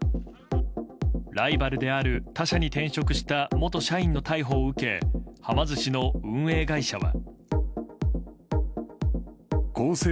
ライバルである他社に転職した元社員の逮捕を受けはま寿司の運営会社は。